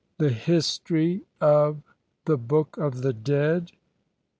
THE HISTORY OF THE BOOK OF THE DEAD.